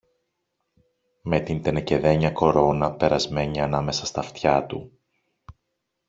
με την τενεκεδένια κορώνα περασμένη ανάμεσα στ' αυτιά του